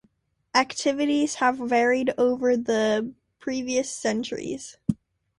Activities have varied over the previous centuries.